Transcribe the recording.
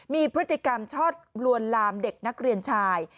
มีพฤติกรรมชอบลวนลามเด็กนักเรียนชาย